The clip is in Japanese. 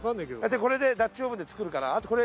でこれでッチオーブンで作るからあとこれ。